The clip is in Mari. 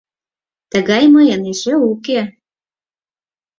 — Тыгай мыйын эше уке!